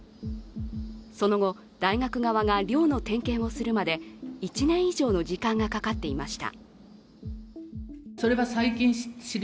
その後、大学側が寮の点検をするまで１年以上の時間がかかっていました